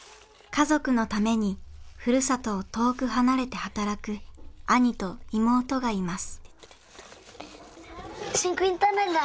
家族のためにふるさとを遠く離れて働く兄と妹がいます。